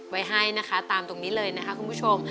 ไว้ให้นะคะตามตรงนี้เลยนะคะคุณผู้ชม